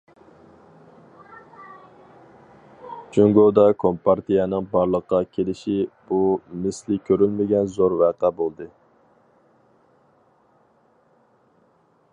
جۇڭگودا كومپارتىيەنىڭ بارلىققا كېلىشى بۇ مىسلى كۆرۈلمىگەن زور ۋەقە بولدى.